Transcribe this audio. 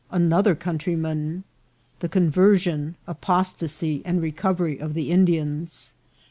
— Another Countryman. — The Conversion, Apostacy, and Recovery of the Indians.